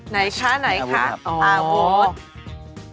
ไหนค่ะค่ะอางกรอ๋อ